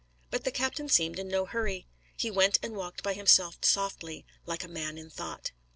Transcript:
But the captain seemed in no hurry. He went and walked by himself softly, like a man in thought.